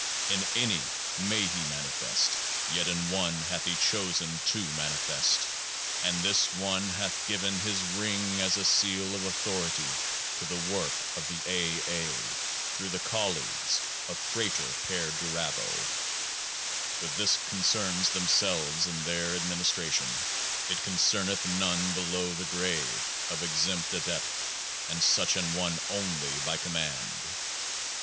In any may he manifest ; yet in one hath he chosen to manifest ; and this one hath given His ring as a Seal of Authority to the Work of the A.'. A.', through the colleagues of FRATER PERDURABO. But this concerns themselves and their ad ministration ; it concerneth none below the grade of Exempt Adept, and such an one only by command.